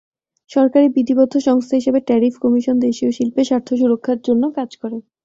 সরকারি বিধিবদ্ধ সংস্থা হিসেবে ট্যারিফ কমিশন দেশীয় শিল্পের স্বার্থ সুরক্ষার জন্য কাজ করে।